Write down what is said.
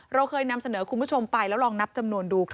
เราเคยนำเสนอคุณผู้ชมไปแล้วลองนับจำนวนดู